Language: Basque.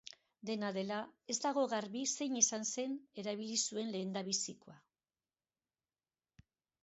Dena dela, ez dago garbi zein izan erabili zuen lehendabizikoa.